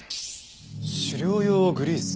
「狩猟用グリース」？